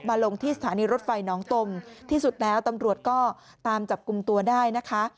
ลงที่สถานีรถไฟน้องตมที่สุดแล้วตำรวจก็ตามจับกลุ่มตัวได้นะคะ